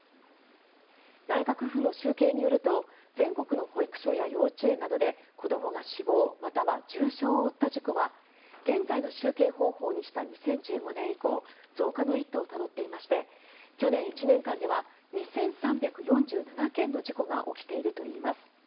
内閣府の集計によると全国の保育所や幼稚園などで子どもが死亡または重傷を負った事故は現在の集計方法にした２０１５年以降増加の一途をたどっていまして去年１年間では２３４７件の事故が起きているといいます。